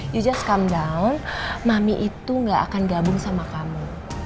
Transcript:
just come down mami itu gak akan gabung sama kamu